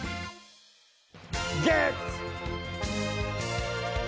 ゲッツ！